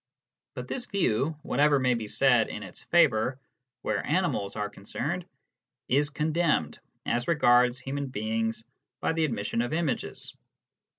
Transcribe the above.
But this view, whatever may be said in its favour where animals are concerned, is condemned as regards human beings by the admission of images.